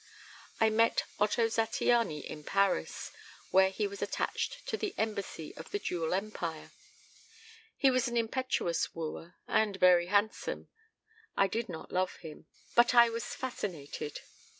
I met Otto Zattiany in Paris, where he was attached to the Embassy of the Dual Empire. He was an impetuous wooer and very handsome. I did not love him, but I was fascinated.